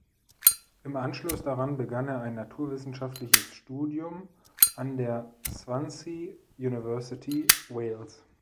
Im Anschluss daran begann er ein naturwissenschaftliches Studium an der Swansea University (Wales).